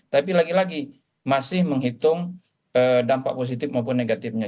tapi lagi lagi masih menghitung dampak positif maupun negatifnya